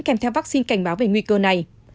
kèm theo vaccine cảnh báo về nguy cơ này